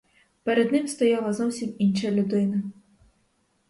Перед ним стояла зовсім інша людина.